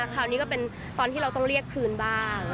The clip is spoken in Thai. คราวนี้ก็เราต้องเป็นตอนที่เราก็เรียกคืนบ้าง